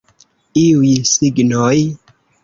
Iuj signoj?